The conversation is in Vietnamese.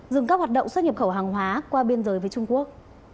dừng các hoạt động xuất nhập khẩu hàng hóa qua biên giới với trung quốc